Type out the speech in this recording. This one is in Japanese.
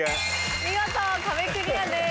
見事壁クリアです。